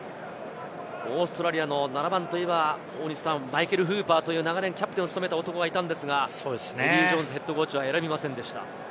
オーストラリアの７番といえばマイケル・フーパーという長年、キャプテンを務めた男がいたんですが、エディー・ジョーンズＨＣは選びませんでした。